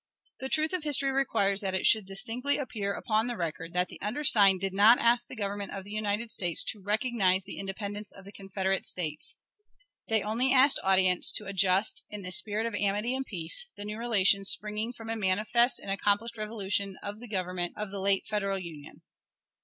The truth of history requires that it should distinctly appear upon the record that the undersigned did not ask the Government of the United States to recognize the independence of the Confederate States. They only asked audience to adjust, in a spirit of amity and peace, the new relations springing from a manifest and accomplished revolution in the Government of the late Federal Union.